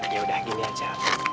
yaudah gini aja